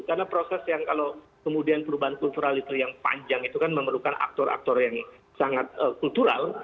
karena proses yang kalau kemudian perubahan kultural itu yang panjang itu kan memerlukan aktor aktor yang sangat kultural